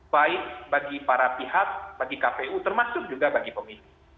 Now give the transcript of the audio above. baik bagi para pihak bagi kpu termasuk juga bagi pemilih